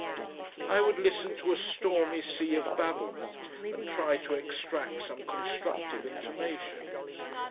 I would listen to a stormy sea of babblement, and try to extract some constructive intimations.